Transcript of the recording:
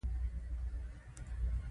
پیسې باید په جریان کې وي.